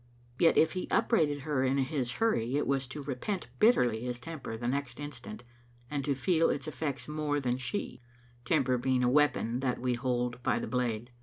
Yet if he upbraided her in his hurry, it was to repent bitterly his temper the next instant, and to feel its effects more than she, temper being a weapon that we hold by the blade.